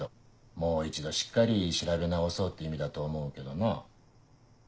もう一度しっかり調べ直そうって意味だと思うけどな。